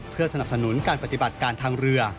เพื่อสนับสนุนการปฏิบัติการทางเรือ